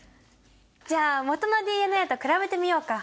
じゃあもとのＤＮＡと比べてみようか。